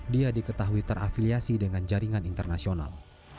dia diketahui terafiliasi dengan jaringan internasional